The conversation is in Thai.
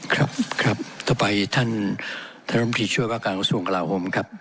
ครับครับต่อไปท่านท่านรมฤทธิ์ช่วยพระการส่วนกล่าวผมครับ